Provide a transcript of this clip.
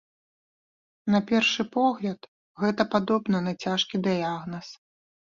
На першы погляд, гэта падобна на цяжкі дыягназ.